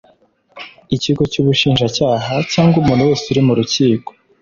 Icyigo cy ubushinjacyaha cyangwa umuntu wese uri mu rukiko